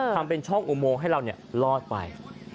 ทำเป็นช่องอุโมงให้เรารอดไป